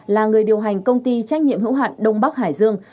là người điều hành công ty trách nhiệm hữu hạn đông bắc hải dương